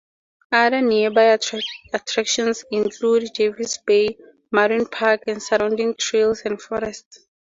Other nearby attractions include Jervis Bay Marine Park and surrounding trails and forests.